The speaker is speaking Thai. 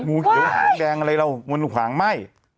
งูเขียวหางแดงอะไรเรามันขวางไหม้